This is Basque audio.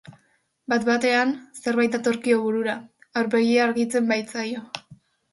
Bat-batean, zerbait datorkio burura, aurpegia argitzen baitzaio.